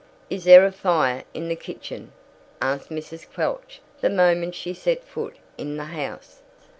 "Is there a fire in the kitchen?" asked Mrs. Quelch the moment she set foot in the house.